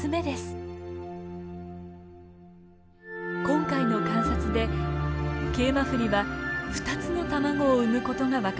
今回の観察でケイマフリは２つの卵を産むことが分かりました。